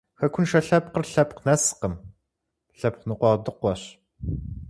Хэкуншэ лъэпкъыр лъэпкъ нэскъым, лъэпкъ ныкъуэдыкъуэщ.